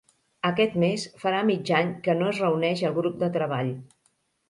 Aquest mes farà mig any que no es reuneix el grup de treball.